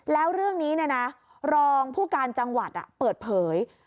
แล้วเรื่องนี้เนี่ยนะรองผู้การจังหวัดอ่ะเปิดเผย